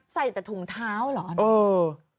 ใส่แต่ถุงเท้าเหรอ